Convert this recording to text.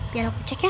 biar aku cek ya